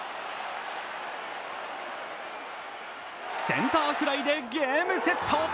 センターフライでゲームセット。